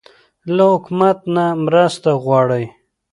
له حکومت نه مرسته غواړئ؟